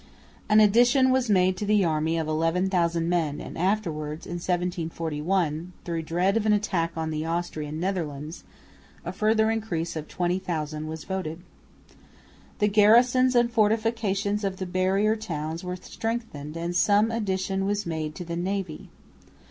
An addition was made to the army of 11,000 men and afterwards in 1741, through dread of an attack on the Austrian Netherlands, a further increase of 20,000 was voted. The garrisons and fortifications of the barrier towns were strengthened and some addition was made to the navy.